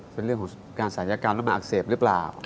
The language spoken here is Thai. เป็นเรื่องของการศัลยกรรมแล้วมันอักเสบหรือเปล่า